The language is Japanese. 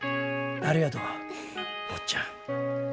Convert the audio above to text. ありがとう坊っちゃん。